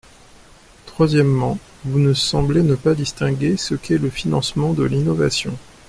Troisièmement, vous semblez ne pas distinguer ce qu’est le financement de l’innovation.